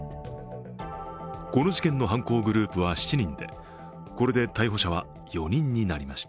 この事件の犯行グループは７人で、これで逮捕者は４人になりました。